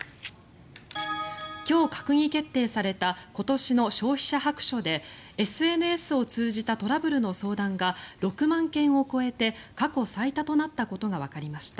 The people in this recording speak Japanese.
今日、閣議決定された今年の消費者白書でＳＮＳを通じたトラブルの相談が６万件を超えて過去最多となったことがわかりました。